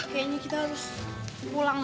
kayaknya kita harus pulang